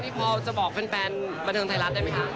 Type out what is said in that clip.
นี่พอจะบอกแฟนบันเทิงไทยรัฐได้ไหมคะ